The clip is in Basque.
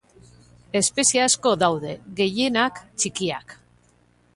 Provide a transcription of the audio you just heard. Espezie asko daude, gehienak txikiak.